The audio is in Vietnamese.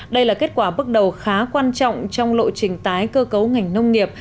đây là kết quả bước đầu khá quan trọng trong lộ trình tái cơ cấu ngành nông nghiệp